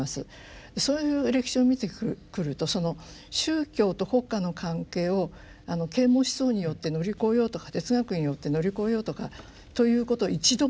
そういう歴史を見てくるとその宗教と国家の関係を啓蒙思想によって乗り越えようとか哲学によって乗り越えようとかということを一度もやってないんです。